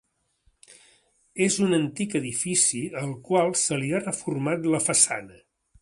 És un antic edifici al qual se li ha reformat la façana.